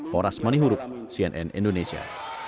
horas manihurup cnn indonesia